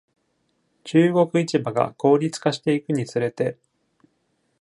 中国市場が効率化していくにつれて。